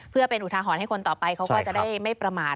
เพื่อเป็นอุทาหรณ์ให้คนต่อไปเขาก็จะได้ไม่ประมาท